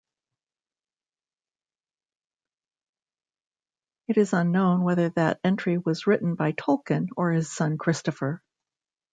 It is unknown whether that entry was written by Tolkien or his son Christopher.